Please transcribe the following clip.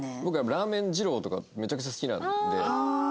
僕やっぱラーメン二郎とかめちゃくちゃ好きなんで。